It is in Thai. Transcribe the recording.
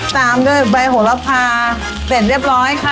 ตามด้วยใบหัวละพาเต็ดเรียบร้อยค่ะ